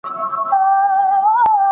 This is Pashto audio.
ماخذونه په دقیق ډول ورکړئ.